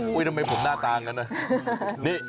ด้วยทำไมผมหน้าตาอย่างนั้น